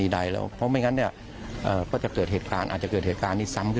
ทำ